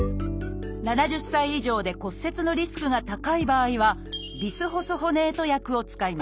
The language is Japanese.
７０歳以上で骨折のリスクが高い場合は「ビスホスホネート薬」を使います。